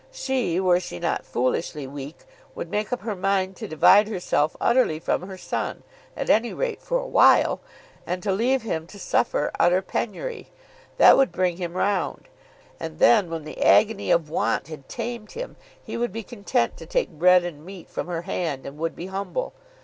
She, were she not foolishly weak, would make up her mind to divide herself utterly from her son, at any rate for a while, and to leave him to suffer utter penury. That would bring him round. And then when the agony of want had tamed him, he would be content to take bread and meat from her hand and would be humble.